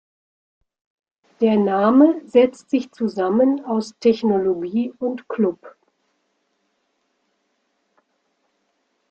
Der Name setzt sich zusammen aus Technologie und Club.